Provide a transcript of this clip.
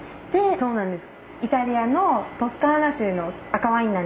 そうなんです。